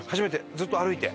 ずっと歩いて？